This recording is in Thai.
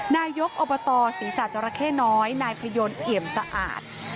นายกอบตศีรษะจราเข้น้อยนายพยนต์เอี่ยมสะอาด